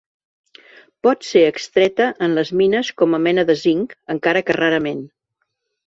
Pot ser extreta en les mines com a mena de zinc, encara que rarament.